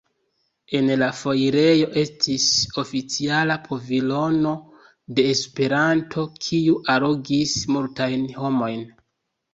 En la foirejo estis oficiala pavilono de Esperanto, kiu allogis multajn homojn.